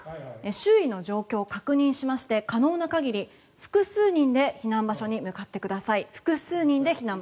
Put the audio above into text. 周囲の状況を確認しまして可能な限り複数人で避難場所に向かってください。